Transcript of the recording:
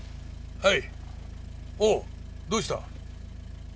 はい。